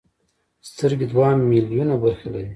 سترګې دوه ملیونه برخې لري.